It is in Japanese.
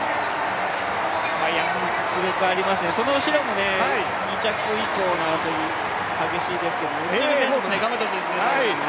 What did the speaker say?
実力ありますね、その後ろも２着以降の争い激しいですけども、宇都宮選手も頑張ってほしいですね。